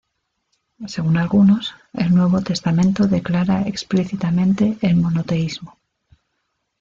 Según algunos, el Nuevo Testamento declara explícitamente el monoteísmo.